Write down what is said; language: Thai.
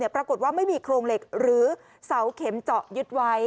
ปรากฏว่าไม่มีโครงเหล็กหรือเสาเข็มเจาะยึดไว้